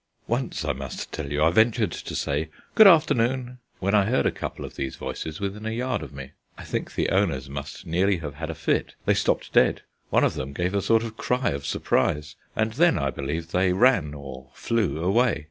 Once, I must tell you, I ventured to say "Good afternoon" when I heard a couple of these voices within a yard of me. I think the owners must nearly have had a fit. They stopped dead: one of them gave a sort of cry of surprise, and then, I believe, they ran or flew away.